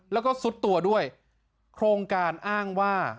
แล้วก็ซุดตัวด้วยโครงการอ้างว่า